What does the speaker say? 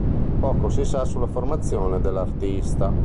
Poco si sa sulla formazione dell'artista.